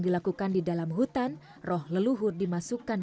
dilanjutkan dengan kudu dareng